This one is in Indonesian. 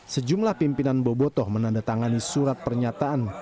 sejumlah pimpinan bobotoh menandatangani surat pernyataan